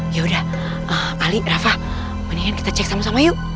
ya udah kali rafah mendingan kita cek sama sama yuk